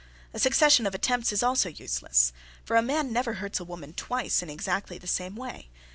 A succession of attempts is also useless, for a man never hurts a woman twice in exactly the same way.